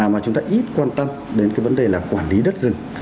mà chúng ta ít quan tâm đến cái vấn đề là quản lý đất rừng